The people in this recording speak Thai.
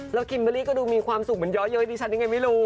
แล้วคิมเบอร์รี่ก็ดูมีความสุขเหมือนย้อเย้ยดิฉันยังไงไม่รู้